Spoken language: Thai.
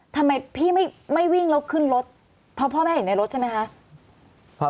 ทำไมพี่ไม่วิ่งแล้วขึ้นรถเพราะพ่อแม่เห็นในรถใช่ไหมคะ